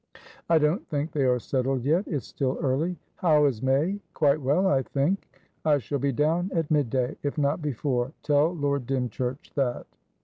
"I don't think they are settled yet. It's still early." "How is May?" "Quite well, I think." "I shall be down at mid day, if not before. Tell Lord Dymchurch that."